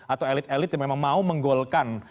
atau elit elit yang memang mau menggolkan